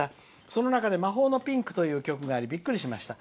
その中で「魔法のピンク」という曲がありびっくりしました。